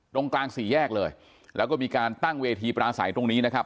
ตรงกลางสี่แยกเลยแล้วก็มีการตั้งเวทีปราศัยตรงนี้นะครับ